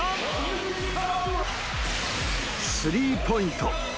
スリーポイント。